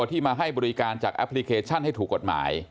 ที่มาให้บริการจากแอปพลิเคชันให้ถูกกฎหมาย